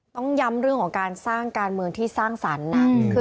ต้องย้ำเรื่องของการสร้างการเมืองที่สร้างสรรค์นะ